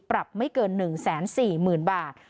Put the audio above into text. ปรับไม่เกิน๑๔๐๐๐บาท